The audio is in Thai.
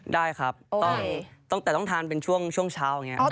ได้ครับตั้งแต่ต้องทานเป็นช่วงเช้าอย่างนี้